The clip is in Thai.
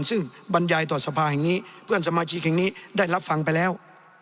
ซึ่งบรรยายต่อสภาแห่งนี้เพื่อนสมาชิกแห่งนี้ได้รับฟังไปแล้ว